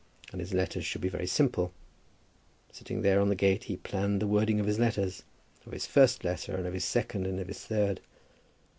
And his letters should be very simple. Sitting there on the gate he planned the wording of his letters; of his first letter, and of his second, and of his third.